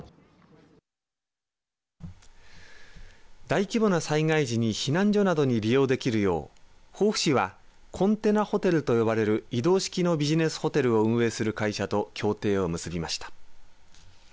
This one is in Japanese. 大規模な災害時に避難所などに利用できるよう防府市はコンテナホテルと呼ばれる移動式のビジネスホテルを運営する会社と協定を結びました。